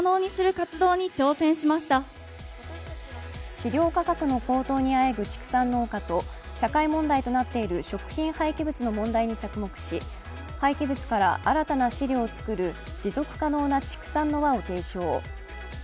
飼料価格の高騰にあえぐ畜産農家と社会問題となっている食品廃棄物の問題に着目し、廃棄物から新たな飼料を作る持続可能な畜産の輪を提唱。